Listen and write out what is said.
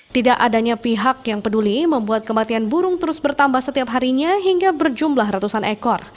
tidak adanya pihak yang peduli membuat kematian burung terus bertambah setiap harinya hingga berjumlah ratusan ekor